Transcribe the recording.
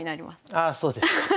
ああそうですか。